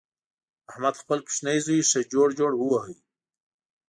احمد خپل کوچنۍ زوی ښه جوړ جوړ وواهه.